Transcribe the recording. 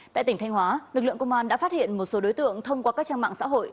tại tỉnh thanh hóa lực lượng công an đã phát hiện một số đối tượng thông qua các trang mạng xã hội